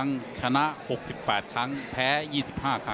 นักมวยจอมคำหวังเว่เลยนะครับ